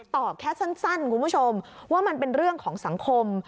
แค่สั้นคุณผู้ชมว่ามันเป็นเรื่องของสังคม